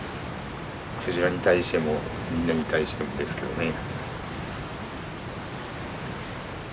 鯨に対してもみんなに対してもですけどね。